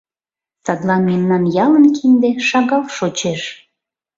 Садлан мемнан ялын кинде шагал шочеш.